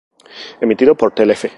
Emitido por Telefe.